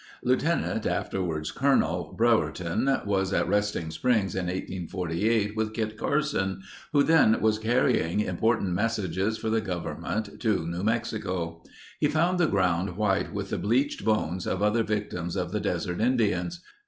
Lieutenant, afterwards Colonel, Brewerton was at Resting Springs in 1848 with Kit Carson who then was carrying important messages for the government to New Mexico. He found the ground white with the bleached bones of other victims of the desert Indians.